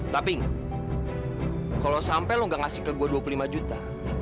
tapi kalo sampe lu ga ngasih ke gua dua puluh lima juta